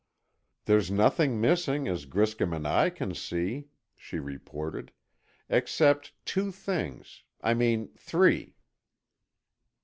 "There's nothing missing as Griscom and I can see," she reported, "except two things—I mean, three."